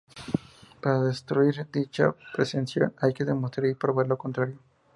Para destruir dicha presunción hay que demostrar y probar lo contrario.